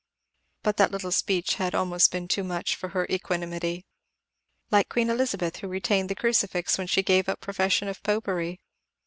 But that little speech had almost been too much for her equanimity. "Like Queen Elizabeth who retained the crucifix when she gave up the profession of popery."